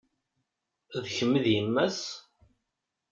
D kemm i d yemma-s?